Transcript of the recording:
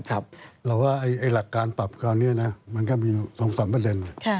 เราว่าหลักการปรับคราวนี้นะมันก็มีอยู่๒๓ประเด็น